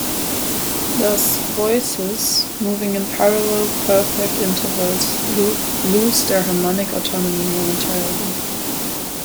Thus voices moving in parallel perfect intervals lose their harmonic autonomy momentarily.